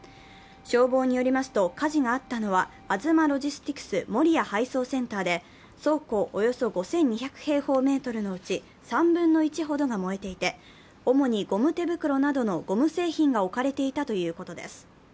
消防によりますと、火事があったのは、アズマロジスティクス守谷配送センターで、倉庫およそ５２００平方メートルのうち、３分の１ほどが燃えていて、主にゴム手袋などのゴム製品が置かれていたということです。